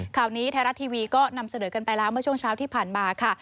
ข่าวนี้ไทยรัฐทีวีก็นำเสนอกันไปแล้วเมื่อช่วงเช้าที่ผ่านมาค่ะ